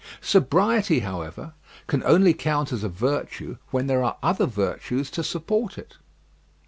Sobriety, however, can only count as a virtue when there are other virtues to support it.